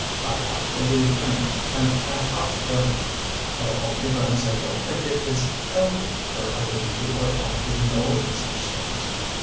I half believe in it, and I half don't. At all events, I don't think it is healthy for either you or I to indulge in such things.